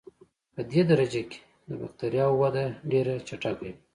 پدې درجه کې د بکټریاوو وده ډېره چټکه وي.